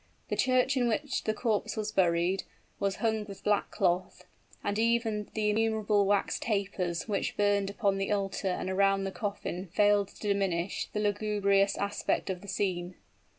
The church in which the corpse was buried, was hung with black cloth; and even the innumerable wax tapers which burned upon the altar and around the coffin failed to diminish the lugubrious aspect of the scene.